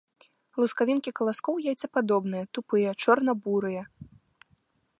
Лускавінкі каласкоў яйцападобныя, тупыя, чорна-бурыя.